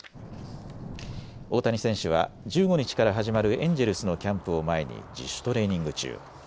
大谷選手は１５日から始まるエンジェルスのキャンプを前に自主トレーニング中。